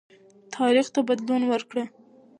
تاریخ ته بدلون ورکړه.